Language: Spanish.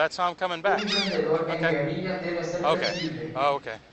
Un vendedor en guerrilla debe ser flexible.